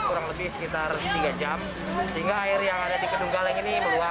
kurang lebih sekitar tiga jam sehingga air yang ada di kedunggaleng ini meluap